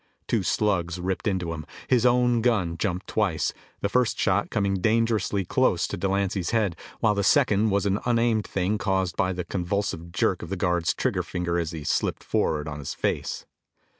Two slugs ripped into him. His own gun jumped twice, the first shot coming dangerously close to Delancy's head, while the second was an unaimed thing caused by the convulsive jerk of the guard's trigger finger as he spilled forward on his face.